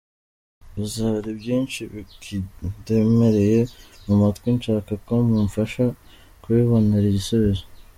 Gusa, hari byinshi bikindemereye mu mutwe nshaka ko mumfasha kubibonera igisubizo.